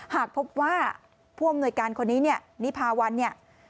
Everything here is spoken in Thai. หากพบว่าผู้อำนวยการคนนี้เนี่ยนิพาวันเนี่ย